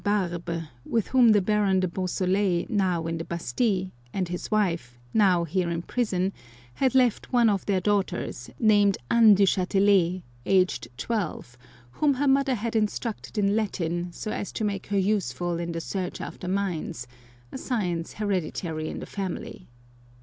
Earbe, with whom the Baron de Beausoleil, now in the Bastille, and his wife, now here in prison, had left one of their daughters, named Anne du Chatelet, aged twelve, whom her mother had instructed in Latin, 164 The Baroness de Beausoleil so as to make her useful in the search afler mines, a science hereditary in the family.